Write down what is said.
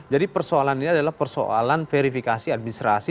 jadi persoalan ini adalah persoalan verifikasi administrasi